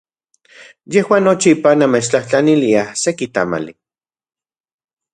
Yejuan nochipa namechtlajtlaniliaj seki tamali.